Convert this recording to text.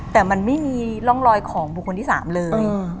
แต่มันไม่มีร่องรอยของบุคคลที่๓เลย